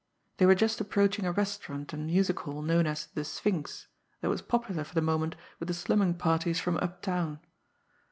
They were just approaching a restaurant and music hall known as "The Sphinx," that was popular for the moment with the slumming parties from uptown.